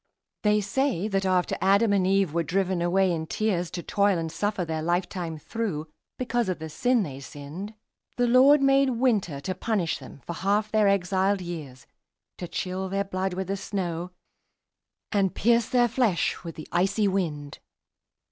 They say that after Adam and Eve were driven away in tears To toil and suffer their life time through, because of the sin they sinned, The Lord made Winter to punish them for half their exiled years, To chill their blood with the snow, and pierce their flesh with the icy wind.